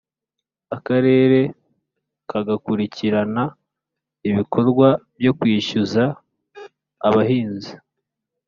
akarere kagakurikirana ibikorwa byo kwishyuza abahinzi